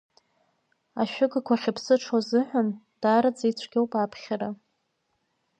Ашәыгақәа ахьԥсыҽу азыҳәан, даараӡа ицәгьоуп аԥхьара.